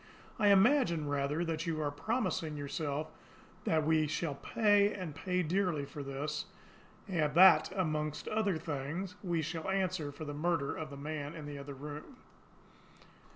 I imagine, rather, that you are promising yourself that we shall pay, and pay dearly, for this that, among other things, we shall answer for the murder of that man in the other room.